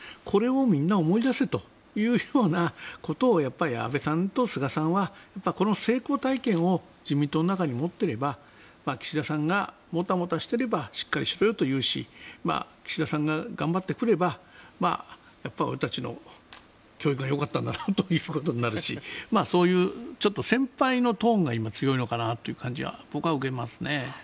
これをみんな思い出せというようなことをやっぱり安倍さんと菅さんはこの成功体験を自民党の中に持っていれば岸田さんがもたもたしていればしっかりしろよと言うし岸田さんが頑張ってくれば俺たちの教育がよかったんだなということになるしそういう先輩のトーンが今、強いのかなという感じを僕は受けますね。